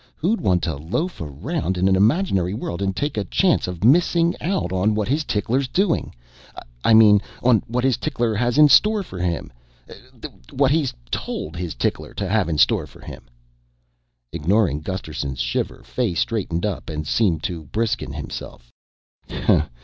"Who'd want to loaf around in an imaginary world and take a chance of missing out on what his tickler's doing? I mean, on what his tickler has in store for him what he's told his tickler to have in store for him." Ignoring Gusterson's shiver, Fay straightened up and seemed to brisken himself.